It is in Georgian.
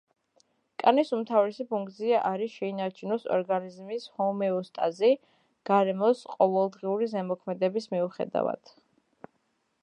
კანის უმთავრესი ფუნქცია არის შეინარჩუნოს ორგანიზმის ჰომეოსტაზი გარემოს ყოველდღიური ზემოქმედების მიუხედავად.